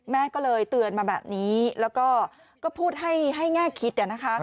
แม่ก็เลยเตือนมาแบบนี้แล้วก็พูดให้แง่คิดนะคะ